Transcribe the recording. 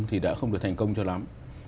thì đã không được thành công cho lắm